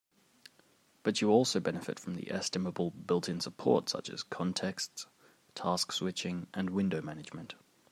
But you also benefit from the estimable built-in support such as contexts, task switching, and window management.